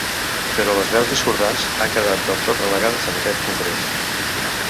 Però les veus discordants han quedat del tot relegades en aquest congrés.